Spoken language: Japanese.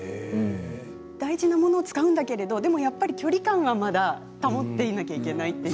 大事なものを使うんだけれども、でもやっぱり距離感は保っていなきゃいけないという。